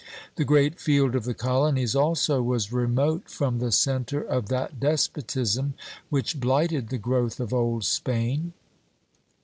The great field of the colonies, also, was remote from the centre of that despotism which blighted the growth of old Spain.